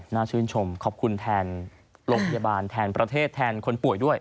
ชื่นชมขอบคุณแทนโรงพยาบาลแทนประเทศแทนคนป่วยด้วย